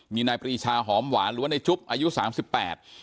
มีนายปรีชาหอมหวานหรือว่าในจุ๊บอายุสามสิบแปด